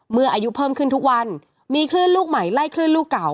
เมื่ออายุเพิ่มขึ้นทุกวันมีคลื่นลูกใหม่ไล่คลื่นลูกเก่า